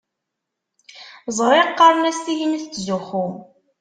Ẓriɣ qqaren-as tihin tettzuxxu.